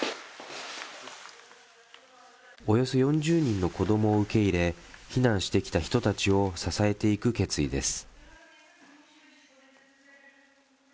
およそ４０人の子どもを受け入れ、避難してきた人たちを支えていく決意です。